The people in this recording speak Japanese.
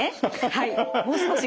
はい。